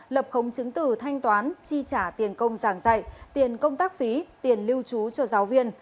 lập khống chứng tử thanh toán chi trả tiền công giảng dạy tiền công tác phí tiền lưu trú cho giáo viên